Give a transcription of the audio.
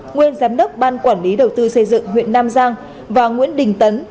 nguyên giám đốc ban quản lý đầu tư xây dựng huyện nam giang và nguyễn đình tấn